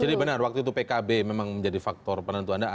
jadi benar waktu itu pkb memang menjadi faktor penentuan